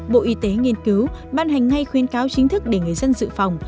bộ y tế nghiên cứu ban hành ngay khuyên cáo chính thức để người dân dự phòng